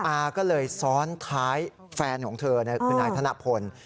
อาก็เลยซ้อนท้ายแฟนของเธอคือนายธนพล